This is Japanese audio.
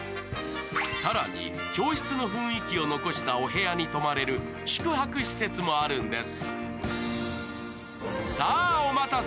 更に教室の雰囲気を残したお部屋に泊まれる宿泊施設もあるんです。